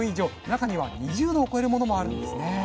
中には２０度を超えるものもあるんですね。